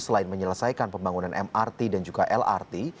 yang merasaikan pembangunan mrt dan juga lrt